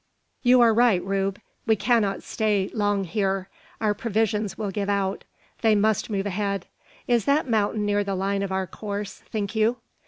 "You are right, Rube! We cannot stay long here. Our provisions will give out. They must move ahead. Is that mountain near the line of our course, think you?"